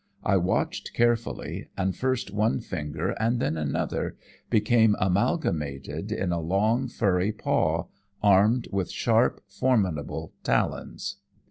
I watched carefully, and first one finger, and then another, became amalgamated in a long, furry paw, armed with sharp, formidable talons.